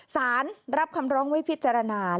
สารรับคำร้องไว้พิจารณา